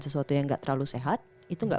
sesuatu yang gak terlalu sehat itu gak